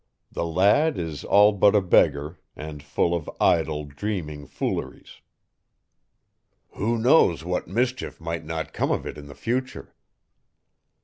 The lad is all but a beggar, and full of idle, dreaming fooleries. Who knows what mischief might not come of it in the future?"